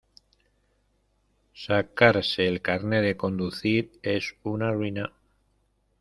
Sacarse el carné de conducir es una ruina.